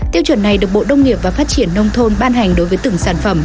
tiêu chuẩn này được bộ đông nghiệp và phát triển nông thôn ban hành đối với từng sản phẩm